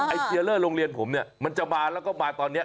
เทียเลอร์โรงเรียนผมเนี่ยมันจะมาแล้วก็มาตอนนี้